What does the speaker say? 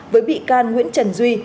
với bị can nguyễn trần duy